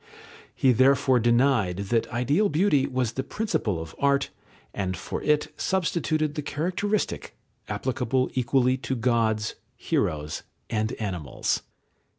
He therefore denied that ideal beauty was the principle of art, and for it substituted the characteristic, applicable equally to gods, heroes, and animals.